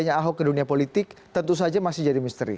tanya ahok ke dunia politik tentu saja masih jadi misteri